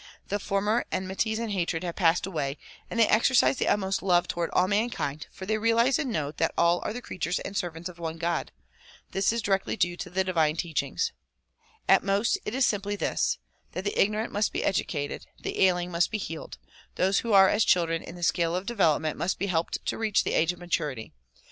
The former enmi ties and hatred have passed away and they exercise the utmost love toward all mankind for they realize and know that all are the creatures and servants of one God. This is directly due to the divine teachings. At most it is simply this ; that the ignorant must be educated, the ailing must be healed, those who are as children DISCOURSES DELIVERED IN NEW YORK 117 in the scale of development must be helped to reach the age of maturity.